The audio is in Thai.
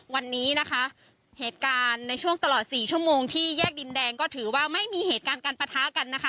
วันนี้นะคะเหตุการณ์ในช่วงตลอดสี่ชั่วโมงที่แยกดินแดงก็ถือว่าไม่มีเหตุการณ์การปะทะกันนะคะ